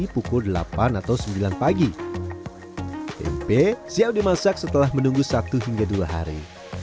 pukul delapan atau sembilan pagi tempe siap dimasak setelah menunggu satu hingga dua hari